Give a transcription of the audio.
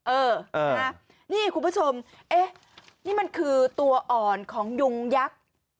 เออนี่คุณผู้ชมเอ๊ะนี่มันคือตัวอ่อนของยุงยักษ์